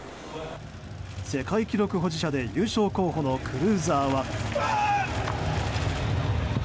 世界記録保持者で優勝候補のクルーザーは。